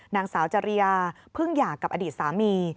นางสาวจริยาเพิ่งหย่ากับอดีตสามี